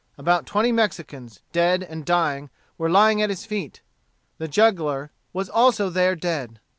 About twenty Mexicans, dead and dying, were lying at his feet. The juggler was also there dead.